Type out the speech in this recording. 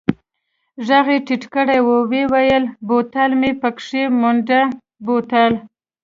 ږغ يې ټيټ کړ ويې ويل بوتل مې پکښې ومنډه بوتل.